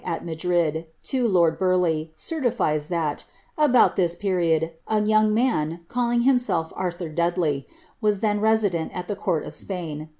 at Madrid, to lord Burleigh, certifies that, about this period, a young man. calling himself Arthur Dudley, was then resident at the court of Spain.